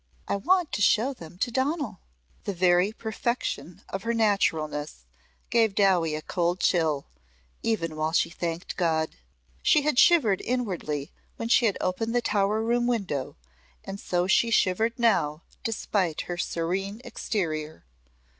"I want to show them to Donal." The very perfection of her naturalness gave Dowie a cold chill, even while she thanked God. She had shivered inwardly when she had opened the Tower room window, and so she shivered now despite her serene exterior.